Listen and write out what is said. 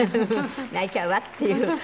泣いちゃうわっていう感じで」